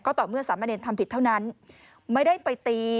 ต่อเมื่อสามเณรทำผิดเท่านั้นไม่ได้ไปตี